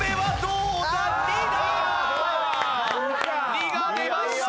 ２が出ました。